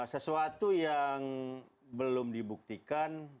sesuatu yang belum dibuka